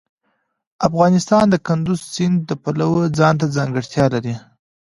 افغانستان د کندز سیند د پلوه ځانته ځانګړتیا لري.